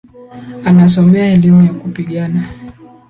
Anasomea elimu ya kupigana.